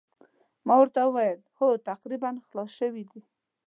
ما ورته وویل هو تقریباً خلاص شوي دي.